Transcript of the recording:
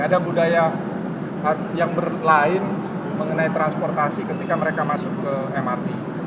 ada budaya yang lain mengenai transportasi ketika mereka masuk ke mrt